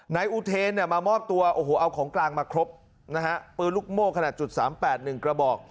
นายอุเทนมามอบตัวเอาของกลางมาครบปืนลูกโม่ขนาด๓๘๑กระบอก